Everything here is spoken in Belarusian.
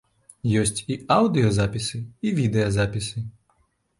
Ёсць і аўдыёзапісы, і відэазапісы.